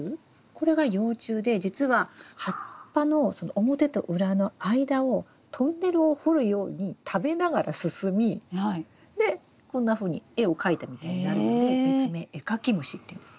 これが幼虫で実は葉っぱの表と裏の間をトンネルを掘るように食べながら進みでこんなふうに絵を描いたみたいになるので別名エカキムシっていうんです。